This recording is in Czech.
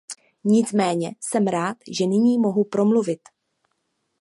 Nicméně jsem rád, že nyní mohu promluvit.